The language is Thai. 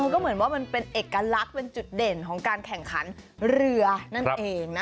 ก็เหมือนว่ามันเป็นเอกลักษณ์เป็นจุดเด่นของการแข่งขันเรือนั่นเองนะ